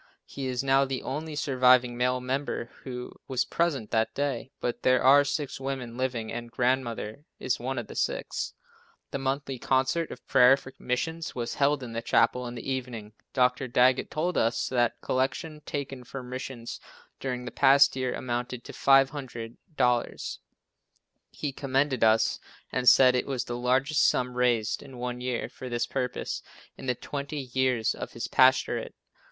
He is now the only surviving male member who was present that day, but there are six women living, and Grandmother is one of the six. The Monthly Concert of Prayer for Missions was held in the chapel in the evening. Dr. Daggett told us that the collection taken for missions during the past year amounted to $500. He commended us and said it was the largest sum raised in one year for this purpose in the twenty years of his pastorate.